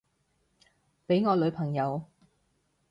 畀我女朋友